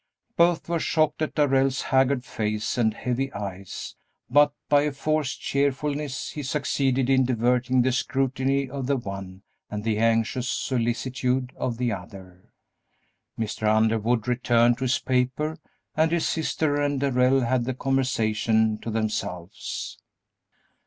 Both were shocked at Darrell's haggard face and heavy eyes, but by a forced cheerfulness he succeeded in diverting the scrutiny of the one and the anxious solicitude of the other. Mr. Underwood returned to his paper and his sister and Darrell had the conversation to themselves.